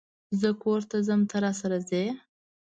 زه کور ته ځم ته، راسره ځئ؟